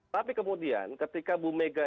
tapi kemudian ketika bu mega